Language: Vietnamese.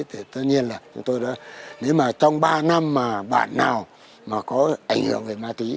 thì tất nhiên là chúng tôi đã nếu mà trong ba năm mà bản nào mà có ảnh hưởng về ma túy